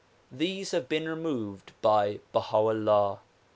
These have been removed by Baha 'Ullah.